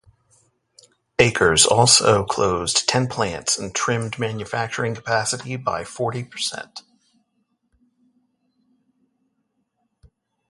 Akers also closed ten plants and trimmed manufacturing capacity by forty percent.